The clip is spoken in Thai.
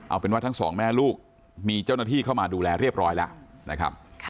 เอาเป็นว่าทั้งสองแม่ลูกมีเจ้าหน้าที่เข้ามาดูแลเรียบร้อยแล้วนะครับ